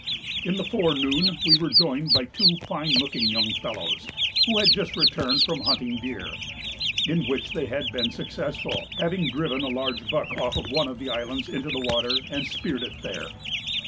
In the forenoon we were joined by two fine looking young fellows who had just returned from hunting deer, in which they had been successful, having driven a large buck off one of the islands into the water and speared it there.